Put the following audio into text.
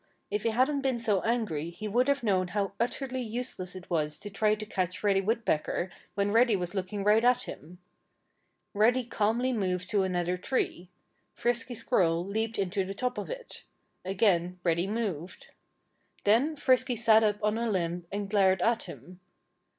If he hadn't been so angry he would have known how utterly useless it was to try to catch Reddy Woodpecker when Reddy was looking right at him. Reddy calmly moved to another tree. Frisky Squirrel leaped into the top of it. Again Reddy moved. Then Frisky sat up on a limb and glared at him.